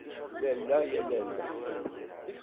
Lalla ya lalla.